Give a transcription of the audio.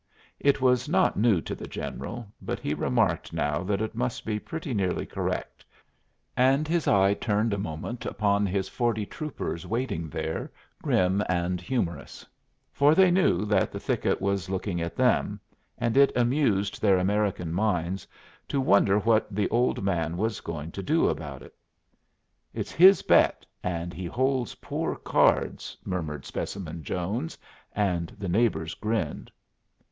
It was not new to the General, but he remarked now that it must be pretty nearly correct; and his eye turned a moment upon his forty troopers waiting there, grim and humorous; for they knew that the thicket was looking at them, and it amused their American minds to wonder what the Old Man was going to do about it. "It's his bet, and he holds poor cards," murmured Specimen Jones; and the neighbors grinned.